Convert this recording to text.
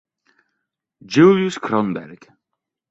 Julius Kronberg